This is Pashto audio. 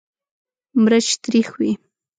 مرچ تریخ وي.